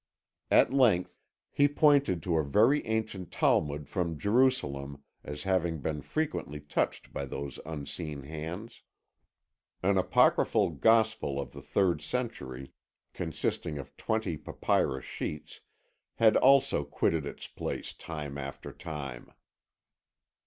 At length he pointed to a very ancient Talmud from Jerusalem as having been frequently touched by those unseen hands. An apocryphal Gospel of the third century, consisting of twenty papyrus sheets, had also quitted its place time after time.